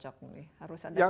harus ada kriteriannya gitu